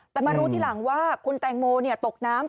แต่มารู้ทีหลังว่าคุณแตงโมตกน้ำ